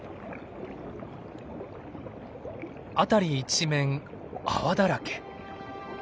辺り一面泡だらけ。